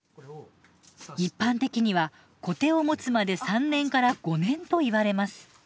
一般的にはコテを持つまで３年から５年といわれます。